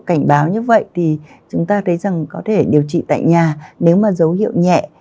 cảnh báo như vậy thì chúng ta thấy rằng có thể điều trị tại nhà nếu mà dấu hiệu nhẹ